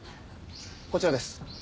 こちらです。